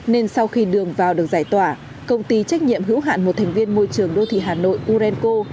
nên sau khi đường vào được giải tỏa công ty trách nhiệm hữu hạn một thành viên môi trường đô thị hà nội urenco